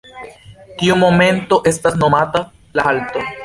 Tiu momento estas nomata la halto.